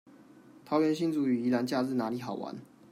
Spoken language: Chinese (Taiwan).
桃園新竹與宜蘭假日哪裡好玩